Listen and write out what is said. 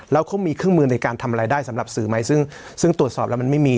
แล้วเขามีเครื่องมือในการทำอะไรได้สำหรับสื่อไหมซึ่งซึ่งตรวจสอบแล้วมันไม่มี